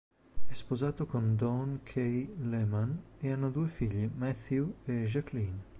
È sposato con Dawn Kaye Lehman e hanno due figli, Matthew e Jacqueline.